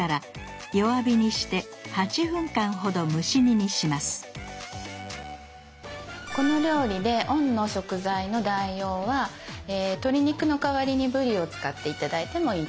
そしてこの料理で「温」の食材の代用は鶏肉の代わりにぶりを使って頂いてもいいと思います。